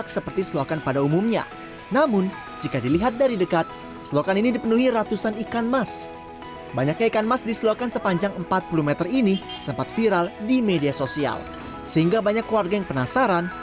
selokan di cirebon